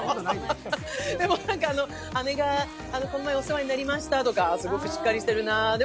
でも、姉がこの前お世話になりましたとか、すごくしっかりしてるなあ。